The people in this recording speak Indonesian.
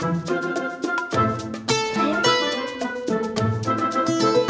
ini kita lihat